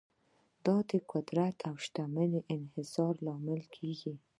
دا د قدرت او شتمنۍ د انحصار لامل کیږي.